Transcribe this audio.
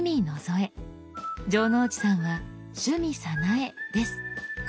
城之内さんは「趣味早苗」です。